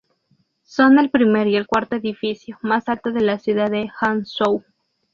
Son el primer y el cuarto edificio más alto de la ciudad de Hangzhou.